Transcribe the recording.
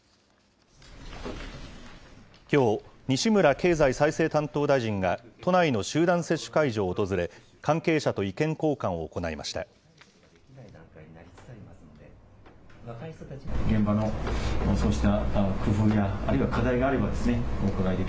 きょう、西村経済再生担当大臣が都内の集団接種会場を訪れ、関係者と意見交換を行いました。